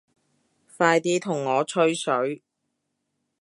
快啲同我吹水